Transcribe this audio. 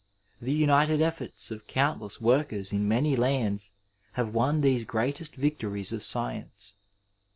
The united efforts of coimtless workers in many lands have won these greatest victories of science.